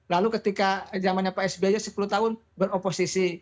lalu ketika zamannya pak sby sepuluh tahun beroposisi